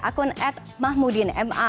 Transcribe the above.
akun ed mahmudin ma